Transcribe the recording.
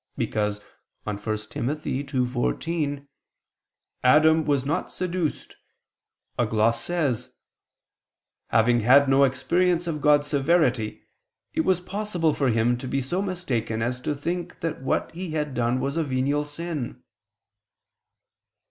Because on 1 Tim. 2:14, "Adam was not seduced," a gloss says: "Having had no experience of God's severity, it was possible for him to be so mistaken as to think that what he had done was a venial sin."